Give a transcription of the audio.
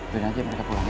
biarin aja mereka pulang ya